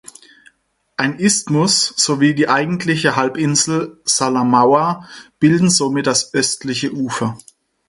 Ein Isthmus sowie die eigentliche Halbinsel Salamaua bilden somit das östliche Ufer.